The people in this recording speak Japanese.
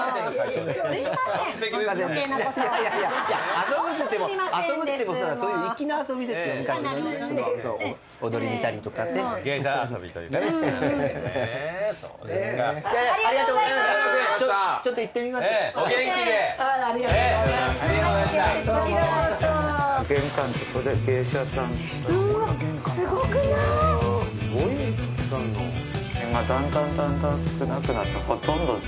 だんだんだんだん少なくなってほとんど全滅。